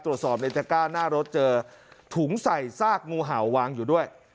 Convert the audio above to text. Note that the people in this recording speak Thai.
ตรวจสอบในตะก้าหน้ารถเจอถุงใส่ซากงูเห่าวางอยู่ด้วย